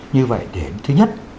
như vậy để thứ nhất